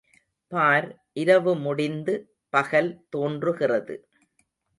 பார், இரவு முடிந்து பகல் தோன்றுகிறது.